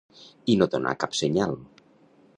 I no donar cap senyal!